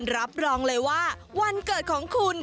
รับรองเลยว่าวันเกิดของคุณ